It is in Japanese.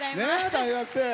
大学生。